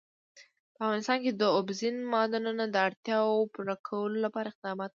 په افغانستان کې د اوبزین معدنونه د اړتیاوو پوره کولو لپاره اقدامات کېږي.